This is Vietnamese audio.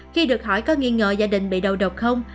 khi được hỏi có nghi ngờ gia đình bị đầu độc không